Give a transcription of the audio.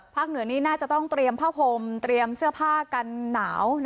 เหนือนี้น่าจะต้องเตรียมผ้าห่มเตรียมเสื้อผ้ากันหนาว